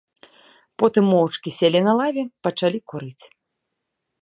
Потым моўчкі селі на лаве, пачалі курыць.